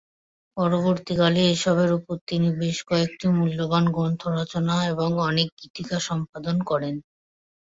পরবর্তীকালে এসবের ওপর তিনি বেশ কয়েকটি মূল্যবান গ্রন্থ রচনা এবং অনেক গীতিকা সম্পাদনা করেন।